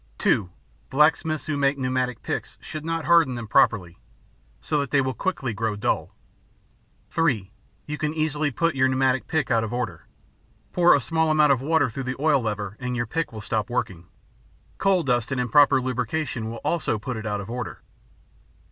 (2) Blacksmiths who make pneumatic picks should not harden them properly, so that they will quickly grow dull. (3) You can easily put your pneumatic pick out of order. Pour a small amount of water through the oil lever and your pick will stop working. Coal dust and improper lubrication will also put it out of order.